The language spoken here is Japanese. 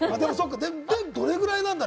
どれぐらいなんだろ？